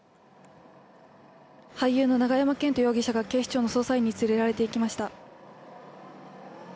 俳優の永山絢斗容疑者が警視庁の捜査員に連れられていきました。